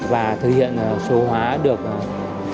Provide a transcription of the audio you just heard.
và thực hiện số hóa được tám ba trăm ba mươi tám hồ sơ